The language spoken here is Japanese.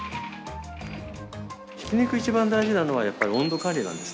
ひき肉一番大事なのはやっぱり温度管理なんですね。